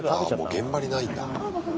あもう現場にないんだ。